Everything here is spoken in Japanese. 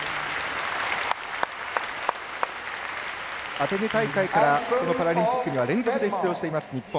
アテネ大会からパラリンピックには連続で出場している日本。